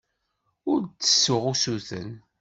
Ur d-ttessuɣ usuten.